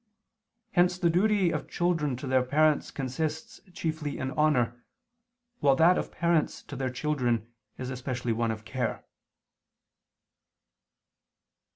Hence the duty of children to their parents consists chiefly in honor: while that of parents to their children is especially one of care.